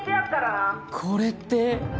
これって。